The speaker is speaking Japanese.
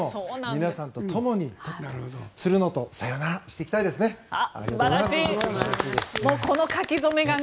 皆さんとともに取ってつるのとさよならしていきたいですね。